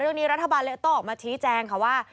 เรื่องนี้รัฐบาลก็ออกมาเที้ยงแจงว่า